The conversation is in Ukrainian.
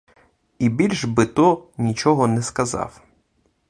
І більш би то нічого не сказав.